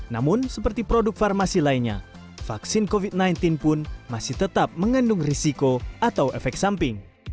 namun seperti produk farmasi lainnya vaksin covid sembilan belas pun masih tetap mengandung risiko atau efek samping